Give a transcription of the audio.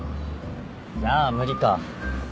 じゃあ無理か。